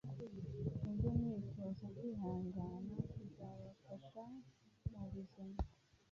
mujye mwitoza kwihangana bizabafasha mubuzima